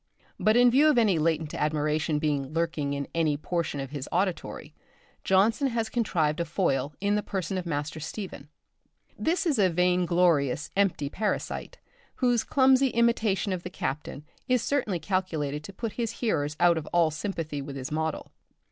But in view of any latent admiration being lurking in any portion of his auditory, Jonson has contrived a foil in the person of Master Stephen. This is a vain glorious, empty parasite, whose clumsy imitation of the Captain is certainly calculated to put his hearers out of all sympathy with his model.